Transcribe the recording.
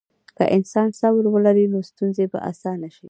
که انسان صبر ولري، نو ستونزې به اسانه شي.